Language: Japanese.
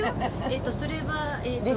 えっとそれはえーっと。